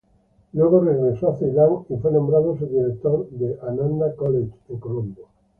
Luego regresó a Ceilán y fue nombrado subdirector del Ananda College en Colombo.